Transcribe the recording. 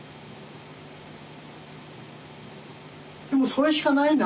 でもそれしかないな。